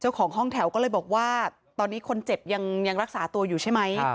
ของห้องแถวก็เลยบอกว่าตอนนี้คนเจ็บยังรักษาตัวอยู่ใช่ไหม